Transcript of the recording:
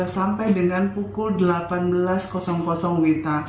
sampai dengan pukul delapan belas wita